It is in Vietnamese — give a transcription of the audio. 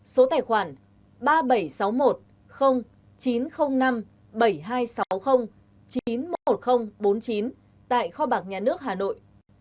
số tài khoản ba nghìn bảy trăm sáu mươi một chín trăm linh năm bảy nghìn hai trăm sáu mươi chín mươi một nghìn bốn mươi chín tại kho bạc nhà nước hà nội